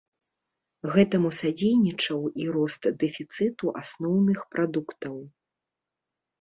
Гэтаму садзейнічаў і рост дэфіцыту асноўных прадуктаў.